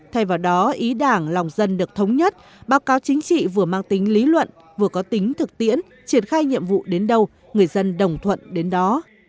thay vào đó ý đảng lòng dân được thống nhất báo cáo chính trị vừa mang tính lý luận vừa có tính thực tiễn triển khai nhiệm vụ đến đâu người dân đồng thuận đến đó